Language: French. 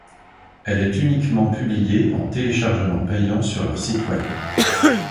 Elle est uniquement publiée en téléchargement payant sur leur site web.